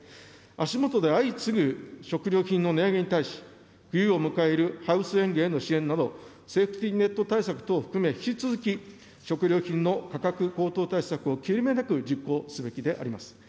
足元で相次ぐ食料品の値上げに対し、冬を迎えるハウス園芸への支援など、セーフティネット対策等を含め、引き続き食料品の価格高騰対策を切れ目なく実行すべきであります。